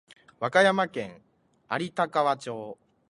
和歌山県有田川町